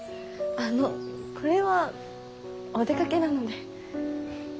あのこれはお出かけなので。